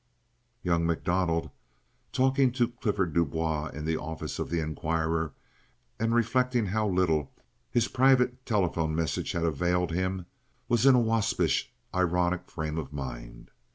Young MacDonald, talking to Clifford Du Bois in the office of the Inquirer, and reflecting how little his private telephone message had availed him, was in a waspish, ironic frame of mind.